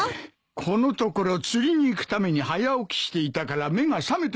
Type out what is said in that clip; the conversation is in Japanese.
このところ釣りに行くために早起きしていたから目が覚めてしまってな。